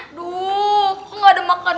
aduh kok nggak ada makan